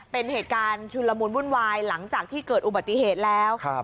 เป็นเหตุการณ์ชุนละมุนวุ่นวายหลังจากที่เกิดอุบัติเหตุแล้ว